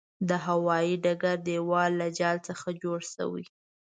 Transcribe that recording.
د هوايې ډګر دېوال له جال څخه جوړ شوی.